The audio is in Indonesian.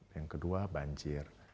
yang kedua banjir